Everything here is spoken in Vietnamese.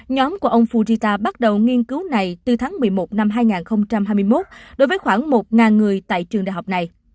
nhóm của ông fujita bắt đầu nghiên cứu này từ tháng một mươi một năm hai nghìn hai mươi một đối với khoảng một người tại trường đại học này